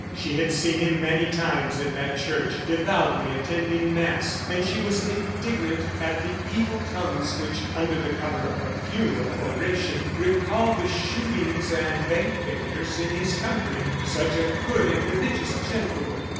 She had seen him many times in that church devoutly attending mass and she was indignant at the evil tongues which, under the cover of a funeral oration, recalled the shootings and bank failures in his country. Such a good and religious gentleman!